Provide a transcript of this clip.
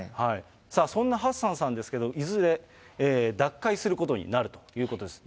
そんなハッサンさんですけど、いずれ脱会することになるということです。